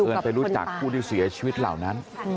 ไปรู้จักผู้ที่เสียชีวิตเหล่านั้น